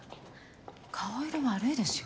顔色悪いですよ。